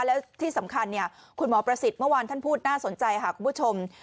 แล้วที่สำคัญคุณหมอประสิทธิ์เมื่อวานท่านพูดน่าสนใจค่ะคุณผู้ชม